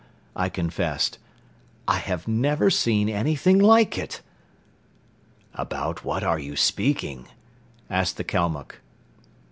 I confessed. "I have never seen anything like it!" "About what are you speaking?" asked the Kalmuck.